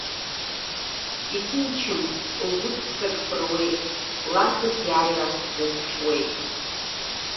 Иҭынчым, лгәы ццак ԥыруеит, ларԥыс иааира дазхьуеит.